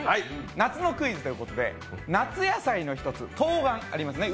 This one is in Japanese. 夏のクイズということで夏野菜の一つ、冬瓜がありますね。